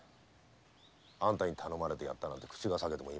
あんたに頼まれてやったなんて口が裂けても言いませんよ。